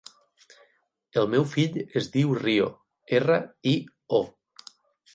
El meu fill es diu Rio: erra, i, o.